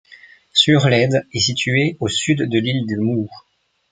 Suurlaid est située au sud de l'île de Muhu.